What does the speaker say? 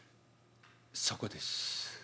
「そこです」。